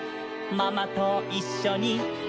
「パパといっしょに」